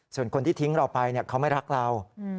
ส่วนคนที่ทิ้งเราไปเขาไม่รักเรา